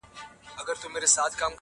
نو ځکه د حسن ټاکلی معیار ممکن نه دی